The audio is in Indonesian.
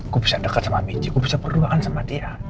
gue bisa deket sama michi gue bisa berduaan sama dia